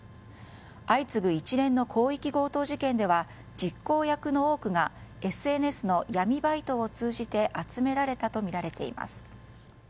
相次ぐ一連の広域強盗事件では実行役の多くがＳＮＳの闇バイトを通じて集められたとみられています。